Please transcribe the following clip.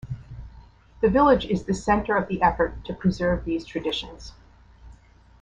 The village is the center of the effort to preserve these traditions.